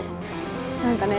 何かね